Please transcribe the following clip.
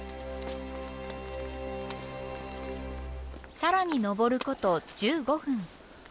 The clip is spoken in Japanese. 更に登ること１５分。